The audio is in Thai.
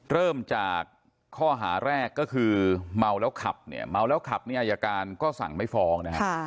เริ่มจากข้อหาแรกก็คือเมาแล้วขับเนี่ยเมาแล้วขับเนี่ยอายการก็สั่งไม่ฟ้องนะฮะ